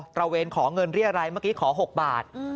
ระเวนขอเงินเรียรัยเมื่อกี้ขอ๖บาท